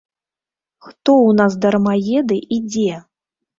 Хто ў нас дармаеды і дзе?